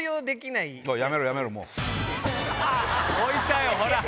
置いたよほら。